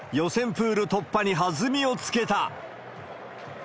プール突破に弾みをつけた。